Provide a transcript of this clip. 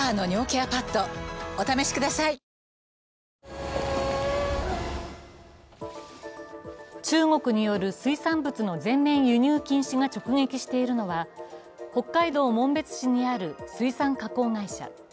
ニトリ中国による水産物の全面輸入禁止が直撃しているのが北海道紋別市にある水産加工会社。